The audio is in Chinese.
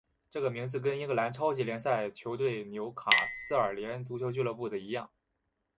这个名字跟英格兰超级联赛球队纽卡斯尔联足球俱乐部的一样。